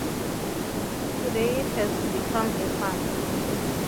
Today it has become a farm.